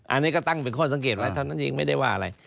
อันนี้ก็ตั้งเป็นข้อสังเกตไว้ไม่ได้ว่าอะไร